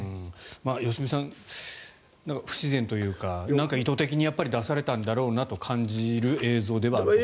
良純さん、不自然というか意図的に出されたんだろうなと感じる映像ではありました。